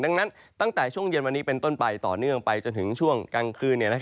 ดังนั้นตั้งแต่ช่วงเย็นวันนี้เป็นต้นไปต่อเนื่องไปจนถึงช่วงกลางคืน